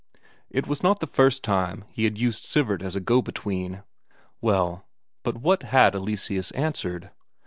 It was not the first time he had used Sivert as a go between. Well, but what had Eleseus answered?